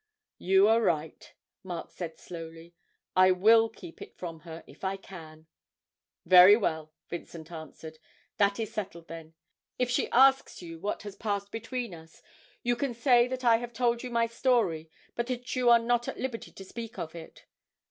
'You are right,' Mark said slowly; 'I will keep it from her if I can.' 'Very well,' Vincent answered, 'that is settled then. If she asks you what has passed between us, you can say that I have told you my story, but that you are not at liberty to speak of it.